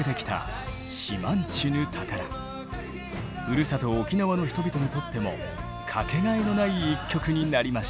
ふるさと沖縄の人々にとっても掛けがえのない一曲になりました。